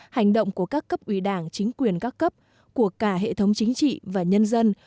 hành động của các cấp ủy đảng chính quyền các cấp của cả hệ thống chính trị và nhân dân